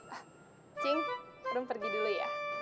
encing rum pergi dulu ya